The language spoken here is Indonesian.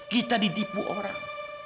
kita ditipu orang